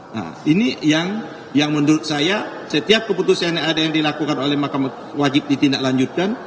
nah ini yang menurut saya setiap keputusan yang ada yang dilakukan oleh makam wajib ditindaklanjutkan